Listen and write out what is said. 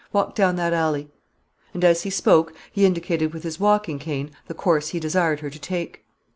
Walk down that alley." And, as he spoke, he indicated with his walking cane the course he desired her to take.